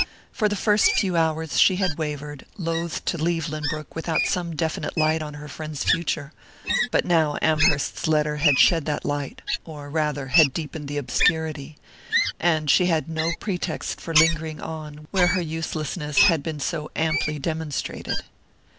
For the first few hours she had wavered, loath to leave Lynbrook without some definite light on her friend's future; but now Amherst's letter had shed that light or rather, had deepened the obscurity and she had no pretext for lingering on where her uselessness had been so amply demonstrated.